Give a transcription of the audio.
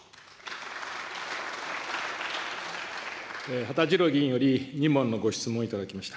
羽田次郎議員より、２問のご質問をいただきました。